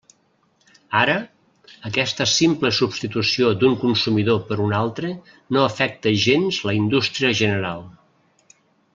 Ara, aquesta simple substitució d'un consumidor per un altre no afecta gens la indústria general.